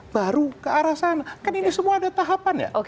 baru ke arah sana kan ini semua ada tahapan ya